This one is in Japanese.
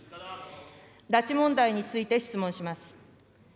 拉致問題について質問します。